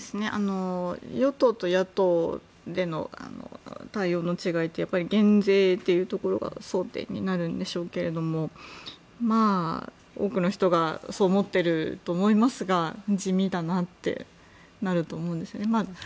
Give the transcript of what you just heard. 与党と野党での対応の違いってやっぱり減税というところが争点になるんでしょうけれど多くの人がそう思っていると思いますが地味だなってなると思うんですね。